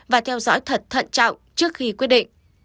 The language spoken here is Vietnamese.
và theo dõi thật thận trọng trước khi quyết định